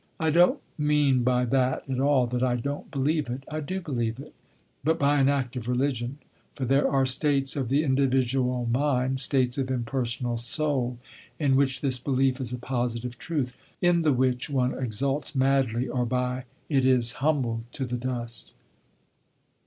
I don't mean by that at all that I don't believe it. I do believe it, but by an act of religion; for there are states of the individual mind, states of impersonal soul in which this belief is a positive truth, in the which one exults madly, or by it is humbled to the dust.